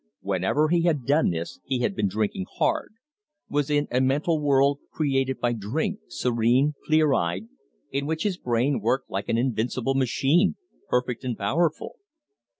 Whenever he had done this he had been drinking hard, was in a mental world created by drink, serene, clear eyed, in which his brain worked like an invincible machine, perfect and powerful.